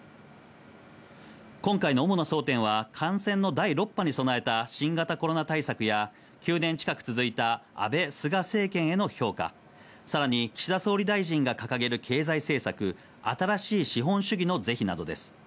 今回の主な争点は感染の第６波に備えた新型コロナ対策や、９年近く続いた安倍・菅政権への評価さらに岸田総理大臣が掲げる経済政策、新しい資本主義の是非などです。